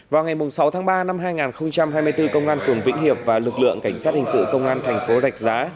vào ngày sáu tháng ba năm hai nghìn hai mươi bốn công an phường vĩnh hiệp và lực lượng cảnh sát hình sự công an thành phố rạch giá